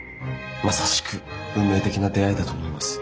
まさしく運命的な出会いだと思います。